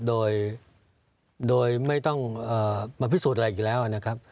โดยโดยไม่ต้องเอ่อมาพิสูจน์อะไรอีกแล้วอ่ะนะครับ